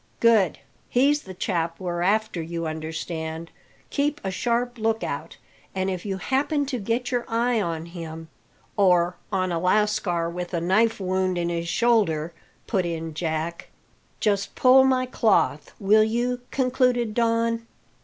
"Good! He's the chap we're after, you understand. Keep a sharp look out, and if you happen to get your eye on him " "Or on a lascar with a knife wound in his shoulder," put in Jack. "Just pull my cloth, will you?" concluded Don.